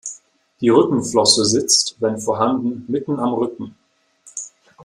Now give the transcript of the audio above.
Die Rückenflosse sitzt, wenn vorhanden, mitten am Rücken.